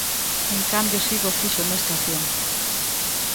En cambio, si que o fixo nesta acción.